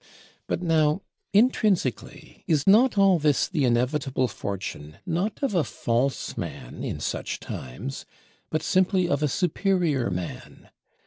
But now, intrinsically, is not all this the inevitable fortune, not of a false man in such times, but simply of a superior man?